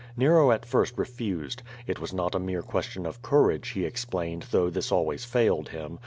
Nero at first refused. It was not a mere question of courage, he explained, though this always failed him.